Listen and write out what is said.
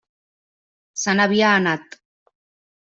Se n'havia anat.